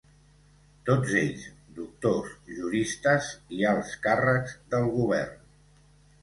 Tots ells, doctors, juristes i alts càrrecs del govern.